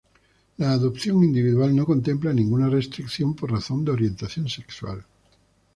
La adopción individual no contempla ninguna restricción por razón de orientación sexual.